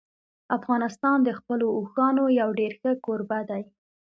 افغانستان د خپلو اوښانو یو ډېر ښه کوربه دی.